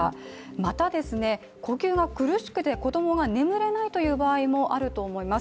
また、呼吸が苦しくて子供が眠れないという場合もあると思います。